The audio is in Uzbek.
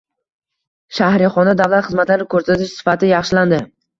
Shahrixonda davlat xizmatlari ko‘rsatish sifati yaxshilandi